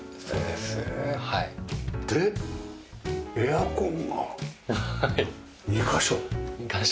でエアコンが２カ所。２カ所。